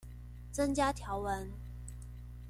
增加條文